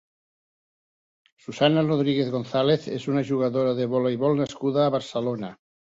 Susana Rodríguez González és una jugadora de voleivol nascuda a Barcelona.